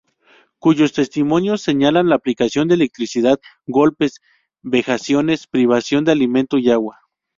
Cuyos testimonios señalan la aplicación de electricidad, golpes, vejaciones, privación de alimento y agua.